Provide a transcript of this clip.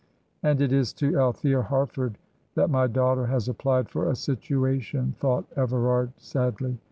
"And it is to Althea Harford that my daughter has applied for a situation," thought Everard, sadly.